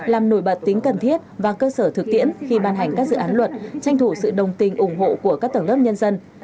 làm nổi bật tính cần thiết và cơ sở thực tiễn khi ban hành các dự án luật tranh thủ sự đồng tình ủng hộ của các tầng lớp nhân dân